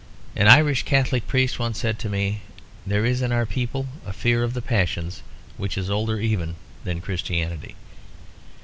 An Irish Catholic priest once said to me, "There is in our people a fear of the passions which is older even than Christianity."